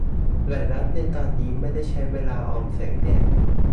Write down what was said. หลายรัฐในตอนนี้ไม่ได้ใช้เวลาออมแสงแดด